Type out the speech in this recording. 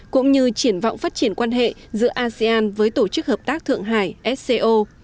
cũng như triển vọng phát triển quan hệ giữa asean với tổ chức hợp tác thượng hải sco